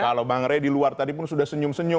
kalau bang ray di luar tadi pun sudah senyum senyum